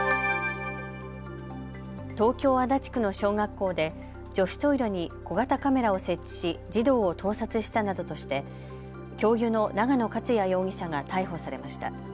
東京足立区の小学校で女子トイレに小型カメラを設置し児童を盗撮したなどとして教諭の永野克弥容疑者が逮捕されました。